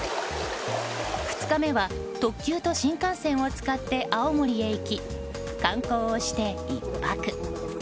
２日目は特急と新幹線を使って青森へ行き、観光をして１泊。